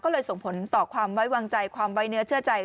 ก็เลยส่งผลต่อความไว้วางใจความไว้เนื้อเชื่อใจ